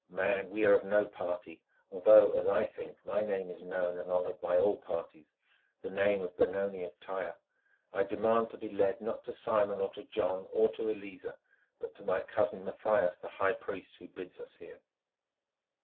Man, we are of no party, although, as I think, my name is known and honoured by all parties—the name of Benoni of Tyre. I demand to be led, not to Simon, or to John, or to Eleazer, but to my cousin, Mathias, the high priest, who bids us here."